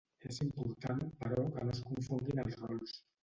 És important, però, que no es confonguin els rols.